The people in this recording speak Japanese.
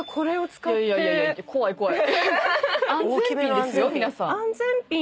いやいや怖い怖い！